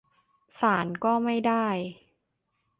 ศาลก็ไม่ได้